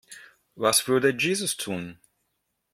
Was würde Jesus tun?